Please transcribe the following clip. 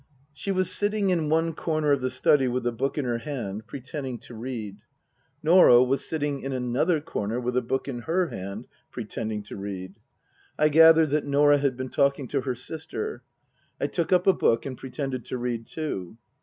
She was sitting in one corner of the study with a book in her hand pretending to read. Norah was sitting in another corner with a book in her hand, pretending to read. I gathered that Norah had been talking to her sister. I took up a book and pretended to read too.